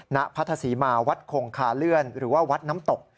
ณพัทธศรีมาวัดคงคาเลื่อนหรือว่าวัดน้ำตก